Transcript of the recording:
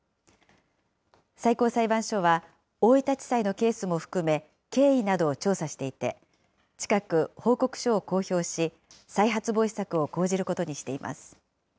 最高裁判所は、大分地裁のケースも含め、経緯などを調査していて、近く報告書を公表し、再発防止策を講じることにしています。